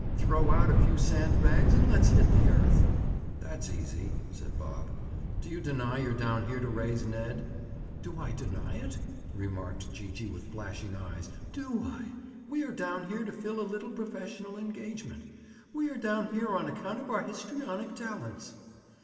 Throw out a few sand bags and let's hit the earth." "That's easy," said Bob. "Do you deny you're down here to raise Ned?" "Do I deny it?" remarked Gee gee with flashing eyes. "Do I? We are down here to fill a little professional engagement. We are down here on account of our histrionic talents."